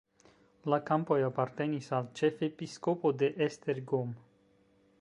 La kampoj apartenis al ĉefepiskopo de Esztergom.